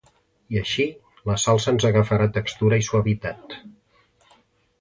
i així la salsa ens agafarà textura i suavitat